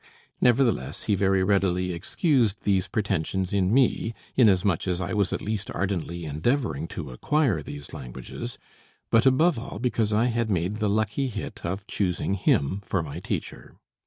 Nevertheless he very readily excused these pretensions in me, inasmuch as I was at least ardently endeavoring to acquire these languages, but above all because I had made the lucky hit of choosing him for my teacher.